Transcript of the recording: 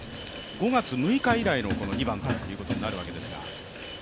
５月６日以来の２番ということになるんですが。